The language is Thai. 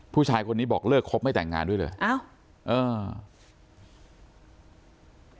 ผู้ชายคนนี้บอกเลิกครบไม่แต่งงานด้วยเลยอ้าวเออ